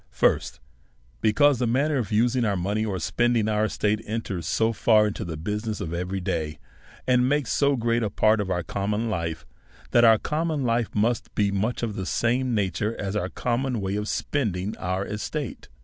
First, Because the manner of using our money, or spending our estate, enters so far into the business of every day, and makes so great a part of our common life, that our common life must be much of the same nature as our common way of spending our estate.